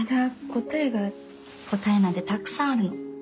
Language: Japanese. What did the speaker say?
答えなんてたくさんあるの。